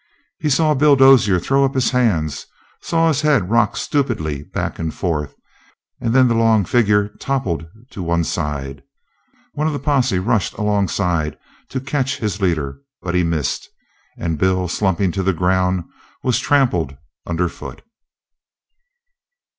He saw Bill Dozier throw up his hands, saw his head rock stupidly back and forth, and then the long figure toppled to one side. One of the posse rushed alongside to catch his leader, but he missed, and Bill, slumping to the ground, was trampled underfoot.